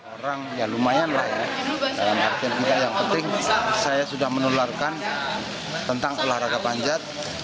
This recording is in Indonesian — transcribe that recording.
orang yang lumayan lah ya yang penting saya sudah menularkan tentang olahraga panjat